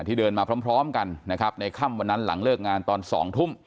เดินมาพร้อมกันนะครับในค่ำวันนั้นหลังเลิกงานตอน๒ทุ่ม